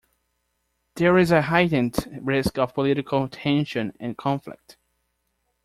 There is a heightened risk of political tension and conflict.